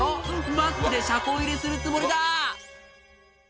「バックで車庫入れするつもりだ！」